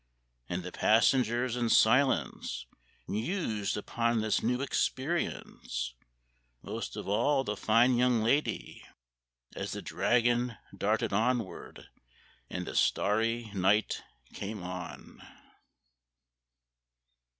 And the passengers in silence Mused upon this new experience, Most of all the fine young lady, As the dragon darted onward, And the starry night came on.